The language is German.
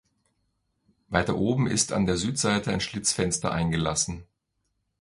Weiter oben ist an der Südseite ein Schlitzfenster eingelassen.